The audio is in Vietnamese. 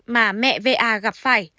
mà mẹ v a gặp phải